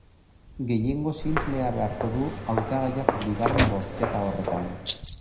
Gehiengo sinplea beharko du hautagaiak bigarren bozketa horretan.